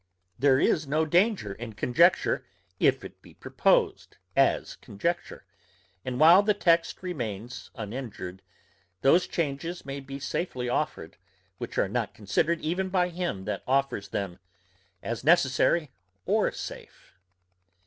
There is no danger in conjecture, if it be proposed as conjecture; and while the text remains uninjured, those changes may be safely offered, which are not considered even by him that offers them as necessary or safe.